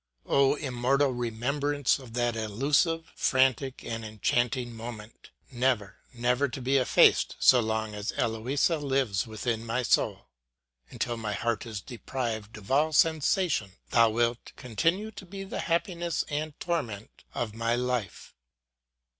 O immortal remembrance of that illusive, frantic, and enchanting moment ! Never, never to be effaced so long as Eloisa lives within my soul ; until my heart is deprived of all sensation, thou wilt continue to be the happiness and torment of my life